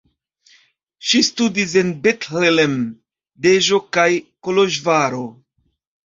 Ŝi studis en Bethlen, Deĵo kaj Koloĵvaro.